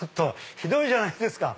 ひどいじゃないですか！